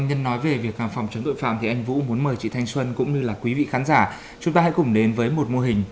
nhân nói về việc phòng chống tội phạm thì anh vũ muốn mời chị thanh xuân cũng như là quý vị khán giả chúng ta hãy cùng đến với một mô hình